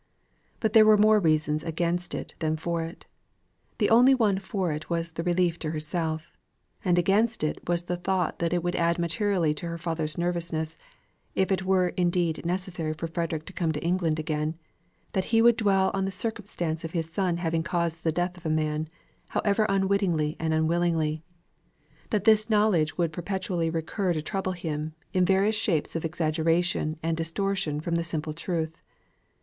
But there were more reasons against it than for it. The only one for it was the relief to herself; and against it was the thought that it would add materially to her father's nervousness, if it were indeed necessary for Frederick to come to England again; that he would dwell on the circumstance of his son's having caused the death of a man, however unwittingly and unwillingly; that this knowledge would perpetually recur to trouble him, in various shapes of exaggeration and distortion from the simple truth.